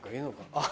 あっ。